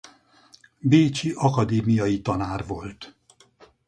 Bécsi akadémiai tanár volt.